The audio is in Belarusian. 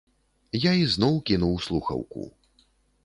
Я ізноў кінуў слухаўку.